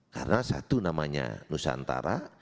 karena satu namanya nusantara